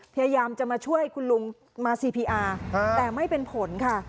พยายามจะมาช่วยคุณลุงมาซีพีอาร์แต่ไม่เป็นผลค่ะ